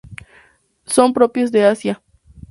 Son propios de Asia.